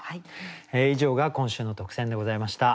以上が今週の特選でございました。